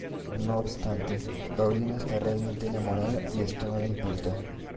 No obstante, Paulina está realmente enamorada y esto no le importa.